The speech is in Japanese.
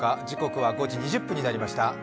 時刻は５時２０分になりました。